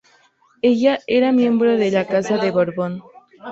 Ella era miembro de la Casa de Borbón.